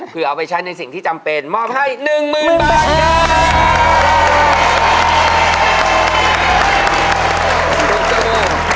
เพื่อเอาไปใช้ในสิ่งที่จำเป็นมอบให้๑๐๐๐บาท